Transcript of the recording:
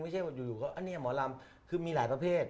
ไม่ใช่ว่าอยู่อันนี้หมอลำคือมีหลายประเภท